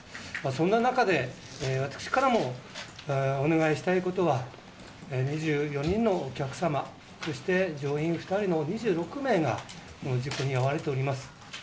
そんな中で私からもお願いしたいことは２４人のお客様、乗員２人の２６名が事故に遭われております。